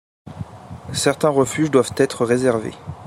Certains refuges doivent être réservés.